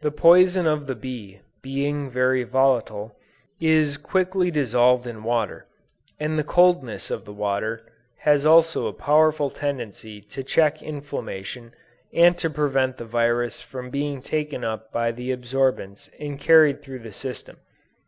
The poison of the bee being very volatile, is quickly dissolved in water; and the coldness of the water has also a powerful tendency to check inflammation and to prevent the virus from being taken up by the absorbents and carried through the system.